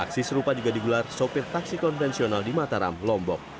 aksi serupa juga digelar sopir taksi konvensional di mataram lombok